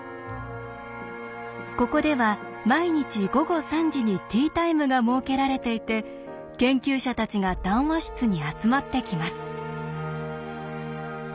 ここでは毎日午後３時にティータイムが設けられていて研究者たちが談話室に集まってきます。